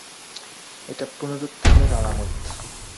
এটা পুনরুত্থানের আলামত!